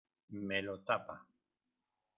Me lo tapa.